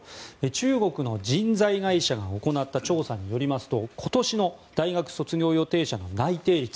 中国の人材会社が行った調査によりますと今年の大学卒業予定者の内定率